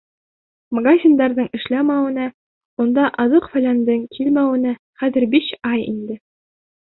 Магазиндарҙың эшләмәүенә, унда аҙыҡ-фәләндең килмәүенә хәҙер биш ай инде.